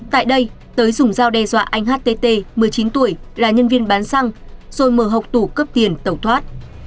tại đây tới dùng dao đe dọa anh htt một mươi chín tuổi là nhân viên bán xăng rồi mở học tủ cướp tiền tẩu thoát